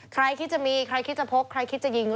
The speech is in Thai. ใครคิดจะมีใครคิดจะพกใครคิดจะยิง